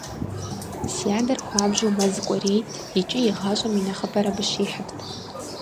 Си адэр хуабжьу мэз кӀуэрейт икӀи и гъащӀэм и нэхъыбэр абы щихьырт.